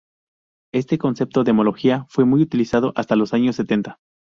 Este concepto de homología fue muy utilizado hasta los años sesenta.